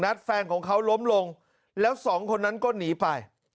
แฟนของเขาล้มลงแล้วสองคนนั้นก็หนีไป